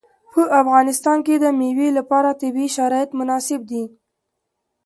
په افغانستان کې د مېوې لپاره طبیعي شرایط مناسب دي.